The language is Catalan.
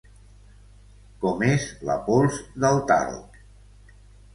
Com és la pols del talc?